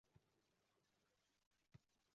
Javlonbek umrida ilk bor xo’ngrab yig’lab yubordi.